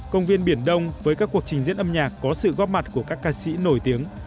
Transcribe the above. công viên biển đông với các cuộc trình diễn âm nhạc có sự góp mặt của các ca sĩ nổi tiếng